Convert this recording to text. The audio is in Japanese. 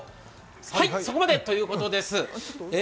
はい、そこまでということです。